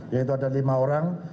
yaitu ada lima orang